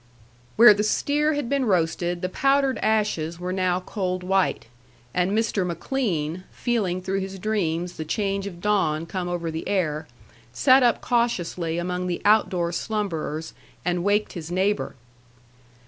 Where the steer had been roasted, the powdered ashes were now cold white, and Mr. McLean, feeling through his dreams the change of dawn come over the air, sat up cautiously among the outdoor slumberers and waked his neighbor.